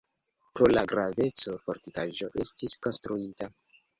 Pro la graveco fortikaĵo estis konstruita.